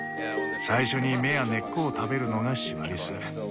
最初に芽や根っこを食べるのがシマリス。